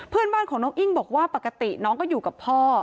เพื่อนบ้านของน้องอิ้งบอกว่าปกติน้องก็อยู่กับพ่อ